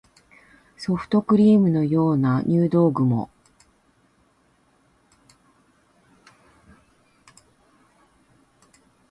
ソフトクリームのような入道雲